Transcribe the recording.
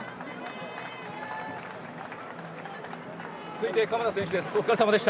続いて、鎌田選手です。